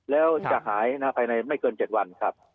แล้วจะหายภายในไม่เกิน๗วันครับ